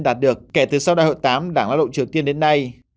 đạt được kể từ sau đại hội tám đảng lao động triều tiên đến nay